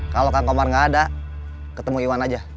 kalau kang komar nggak ada ketemu iwan aja